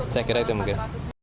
saya kira itu mungkin